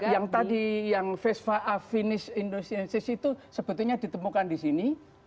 nah yang tadi yang vespa afinis indosiensis itu sebetulnya ditemukan disini